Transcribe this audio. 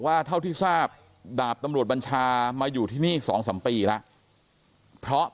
เท่าที่ทราบดาบตำรวจบัญชามาอยู่ที่นี่๒๓ปีแล้วเพราะ